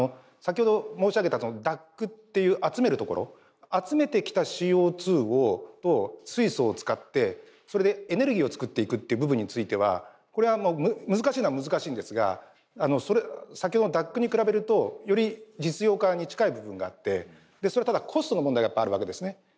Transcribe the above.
先ほど申し上げたＤＡＣっていう集めるところ集めてきたＣＯと水素を使ってそれでエネルギーを作っていくっていう部分についてはこれはもう難しいのは難しいんですが先ほどのＤＡＣに比べるとより実用化に近い部分があってそれはただコストの問題がやっぱあるわけですね。